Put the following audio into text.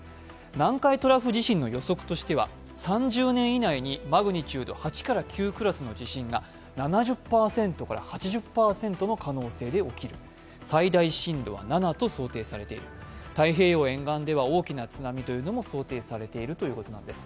南海トラフ地震の予測としては３０年以内にマグニチュード８から９クラスの地震が７０から８０％の可能性でおきる、最大震度は７と想定されている太平洋沿岸では大きな津波も想定されているということです。